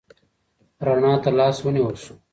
رڼا ته لاس ونیول شو.